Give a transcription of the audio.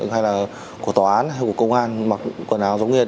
hay là của tòa án hay của công an mặc quần áo giống như